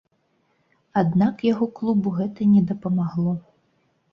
Аднак яго клубу гэта не дапамагло.